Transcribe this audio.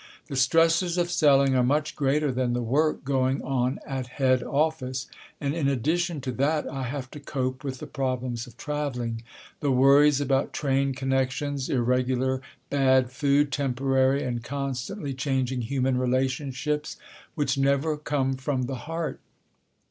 The stresses of selling are much greater than the work going on at head office, and, in addition to that, I have to cope with the problems of travelling, the worries about train connections, irregular bad food, temporary and constantly changing human relationships, which never come from the heart.